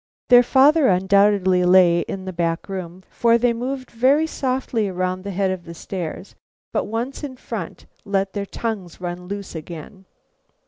Their father undoubtedly lay in the back room, for they moved very softly around the head of the stairs, but once in front they let their tongues run loose again.